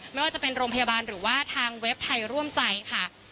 ไม่ว่าจะเป็นโรงพยาบาลหรือว่าทางเว็บไทยร่วมใจค่ะ